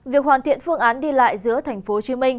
việc hoàn thiện phương án đi lại giữa tp hcm